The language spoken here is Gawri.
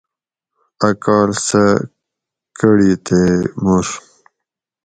ا کال سہ کڑی تے مور